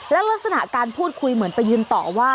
ลักษณะการพูดคุยเหมือนไปยืนต่อว่า